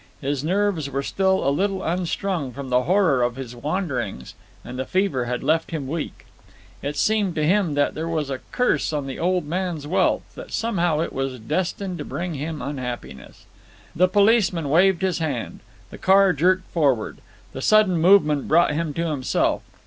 His nerves were still a little unstrung from the horror of his wanderings, and the fever had left him weak. It seemed to him that there was a curse on the old man's wealth, that somehow it was destined to bring him unhappiness. The policeman waved his hand. The car jerked forward. The sudden movement brought him to himself.